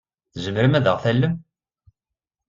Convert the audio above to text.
Tzemrem ad aɣ-tallem?